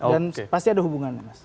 dan pasti ada hubungannya mas